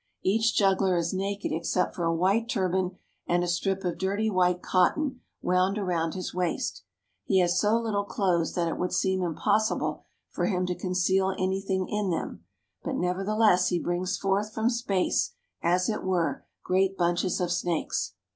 Each juggler is naked except for a white turban and a strip of dirty white cotton, wound around his waist. He has so little clothes that it would seem impossible for him to conceal anything in them, but Snake Charmers. nevertheless he brings forth from space, as it were, great bunches of snakes.